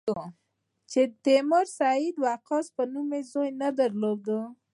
چې تیمور د سعد وقاص په نوم زوی نه درلود.